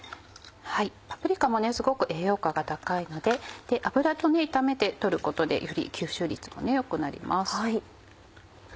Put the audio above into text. パプリカもすごく栄養価が高いので油と炒めて取ることでより吸収率も良くなります。